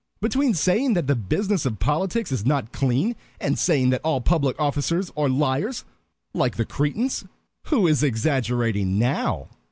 "Between saying that the business of politics is not clean, and saying that all public officers are liars, like the Cretans." "Who is exaggerating now?"